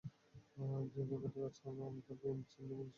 যে তাকে কাজটা করতে বলেছে, তার নাম প্রেম, সেন্ট্রাল মিনিস্টারের ছেলে।